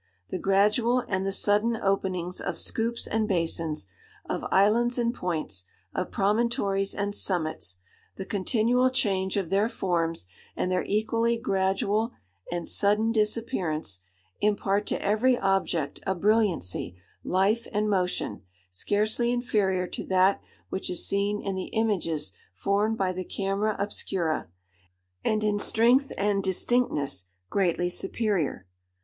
The gradual and the sudden openings of scoops and basins, of islands and points, of promontories and summits—the continual change of their forms, and their equally gradual and sudden disappearance,—impart to every object a brilliancy, life, and motion, scarcely inferior to that which is seen in the images formed by the camera obscura, and in strength and distinctness greatly superior.